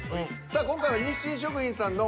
今回は「日清食品」さんの